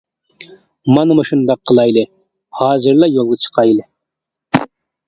مانا مۇشۇنداق قىلايلى، ھازىرلا يولغا چىقايلى!